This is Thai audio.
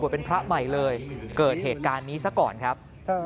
เป็นพระใหม่เลยเกิดเหตุการณ์นี้ซะก่อนครับ